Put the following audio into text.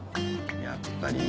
やっぱりな。